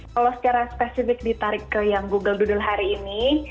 kalau secara spesifik ditarik ke yang google doodle hari ini